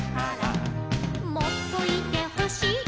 「もっといてほしい」